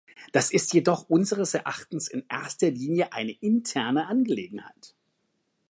Das ist jedoch unseres Erachtens in erster Linie eine interne Angelegenheit.